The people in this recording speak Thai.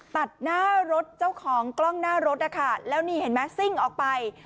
ตัดหน้ารถเจ้าของกล้องหน้ารถนะคะแล้วนี่เห็นไหมซิ่งออกไป